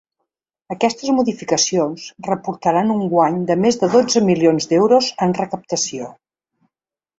Aquestes modificacions reportaran un guany de més de dotze milions d’euros en recaptació.